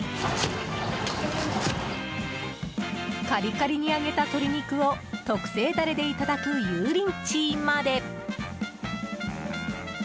カリカリに揚げた鶏肉を特製ダレでいただく油淋鶏まで。